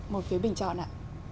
một phiếu bình chọn ạ